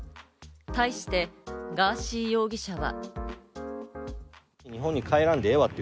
対して、ガーシー容疑者は。